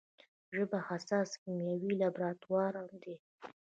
ژبه حساس کیمیاوي لابراتوار دی.